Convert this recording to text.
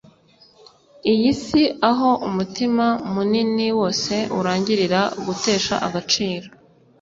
iyi si aho umutima munini wose urangirira gutesha agaciro